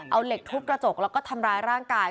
เอาเหล็กทุบกระจกแล้วก็ทำร้ายร่างกาย